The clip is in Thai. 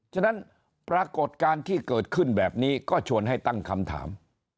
ฉะนั้นปรากฏการณ์ที่เกิดขึ้นแบบนี้ก็ชวนให้ตั้งคำถาม